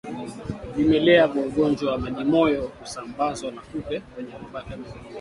Vimelea vya ugonjwa wa majimoyo husambazwa na kupe wenye mabaka miguuni